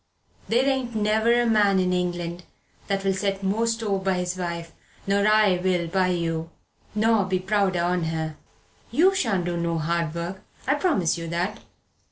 There ain't ne'er a man in England'll set more store by his wife nor I will by you, nor be prouder on her. You shan't do no hard work I promise you that.